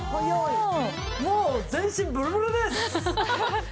もう全身ブルブルです！